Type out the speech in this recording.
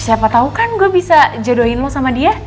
siapa tau kan gue bisa jodohin lo sama dia